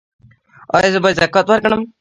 ایا زه باید زکات ورکړم؟